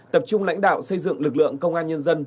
tập trung lãnh đạo xây dựng lực lượng công an nhân dân